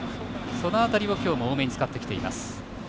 その辺りを今日も多めに使ってきています。